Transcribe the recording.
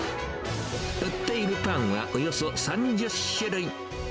売っているパンはおよそ３０種類。